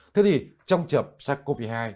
thế thì trong trầm sars cov hai